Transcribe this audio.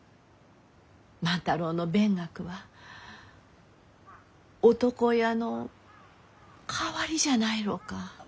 万太郎の勉学は男親の代わりじゃないろうか？